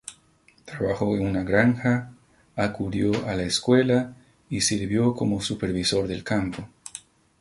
Trabajó en una granja, acudió a la escuela y sirvió como supervisor del campo.